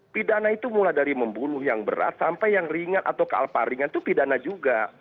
pidana itu mulai dari membunuh yang berat sampai yang ringan atau kealpa ringan itu pidana juga